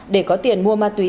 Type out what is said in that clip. để có tiền mua ma túy